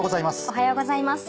おはようございます。